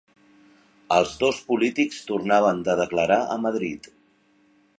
Els dos polítics tornaven de declarar a Madrid